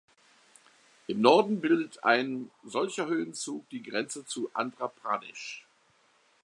Im Norden bildet ein solcher Höhenzug die Grenze zu Andhra Pradesh.